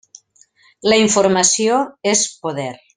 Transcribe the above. La informació és poder.